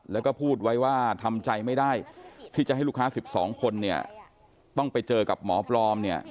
แล้วก็พูดไว้ว่าทำใจไม่ได้ที่จะให้ลูกค้า๑๒คนเนี่ยต้องไปเจอกับหมอปลอมเนี่ย